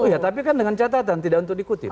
oh ya tapi kan dengan catatan tidak untuk dikutip